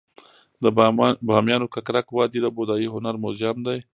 د بامیانو ککرک وادي د بودايي هنر موزیم دی